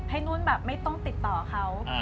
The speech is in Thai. ให้นุ้นไม่ต้องติดต่อเขา